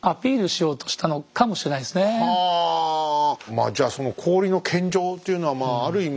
まあじゃあその氷の献上っていうのはある意味